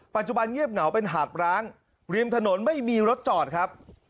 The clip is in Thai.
ปัจจุบันเงียบเหงาเป็นหาดร้างริมถนนไม่มีรถจอดครับ